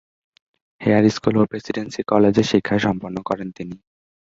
Hair School ও Presidency কলেজে শিক্ষা সম্পন্ন করেন তিনি।